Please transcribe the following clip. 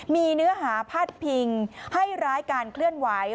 มีเนื้อหาพาดพิงให้ร้ายการเคลื่อนไหว